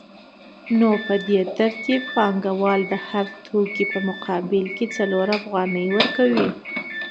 نو په دې ترتیب پانګوال د هر توکي په مقابل کې څلور افغانۍ ورکوي